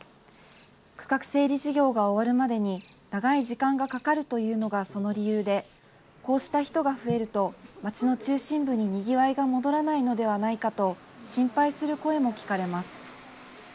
区画整理事業が終わるまでに長い時間がかかるというのがその理由で、こうした人が増えると、町の中心部ににぎわいが戻らないのではないかと心配する声も聞かれます。